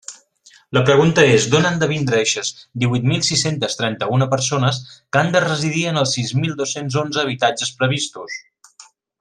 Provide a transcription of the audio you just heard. La pregunta és: ¿d'on han de vindre eixes díhuit mil sis-centes trenta-una persones que han de residir en els sis mil dos-cents onze habitatges previstos?